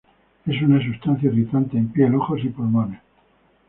Es una sustancia irritante en piel, ojos y pulmones.